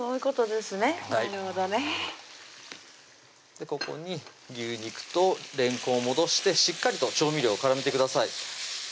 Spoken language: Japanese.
ここに牛肉とれんこんを戻してしっかりと調味料絡めてください